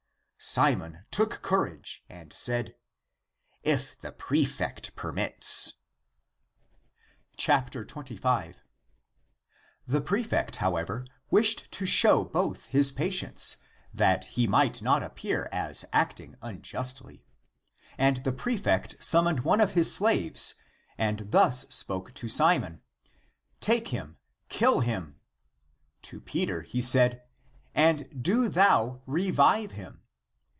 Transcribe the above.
Simon took courage and said, " If the prefect permits." 25. The prefect, however, w'ished to show (both) his patience, that he might not appear as acting unjustly. And the prefect summoned one of his slaves and thus spoke to Simon :" Take him, kill (him)." To Peter he said, "And do thou revive him."